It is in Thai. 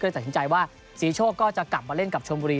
ตัดสินใจว่าศรีโชคก็จะกลับมาเล่นกับชมบุรี